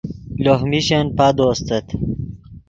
لوہ میشن پادو استت